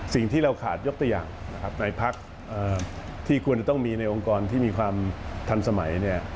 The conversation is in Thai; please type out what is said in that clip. สิ่งที่เราขาดยกตัวอย่างในพักที่ควรจะต้องมีในองค์กรที่มีความทันสมัย